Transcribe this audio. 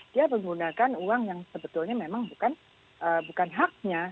dia menggunakan uang yang sebetulnya memang bukan haknya